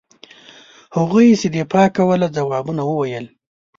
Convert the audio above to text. هغوی چې دفاع کوله ځوابونه وویل.